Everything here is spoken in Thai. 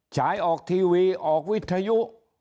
ฉายออกทีวีออกวิทยุ